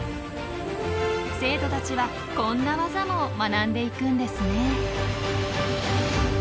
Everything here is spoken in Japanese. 生徒たちはこんなワザも学んでいくんですね。